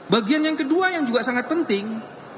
bagian yang kedua yang juga sangat penting